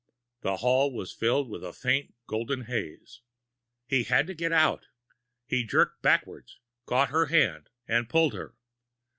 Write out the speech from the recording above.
The hall was filled with a faint golden haze! He had to get out! He jerked backwards, caught her hand, and pulled her.